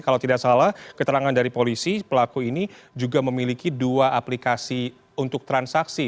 kalau tidak salah keterangan dari polisi pelaku ini juga memiliki dua aplikasi untuk transaksi